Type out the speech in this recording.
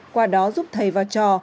qua đó giúp thầy vào trò